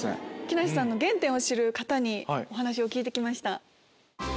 木梨さんの原点を知る方にお話を聞いて来ました。